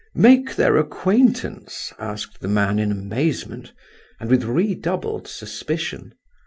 "Make their acquaintance?" asked the man, in amazement, and with redoubled suspicion.